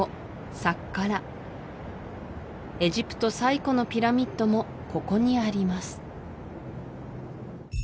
サッカラエジプト最古のピラミッドもここにあります